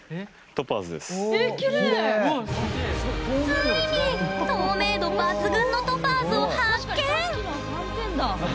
ついに透明度抜群のトパーズを発見！